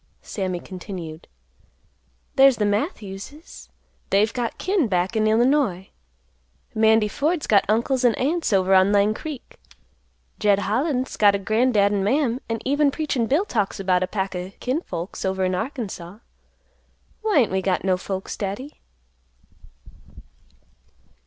Sammy continued, "There's the Matthews's, they've got kin back in Illinois; Mandy Ford's got uncles and aunts over on Lang Creek; Jed Holland's got a grandad and mam, and even Preachin' Bill talks about a pack o' kin folks over in Arkansaw. Why ain't we got no folks, Daddy?"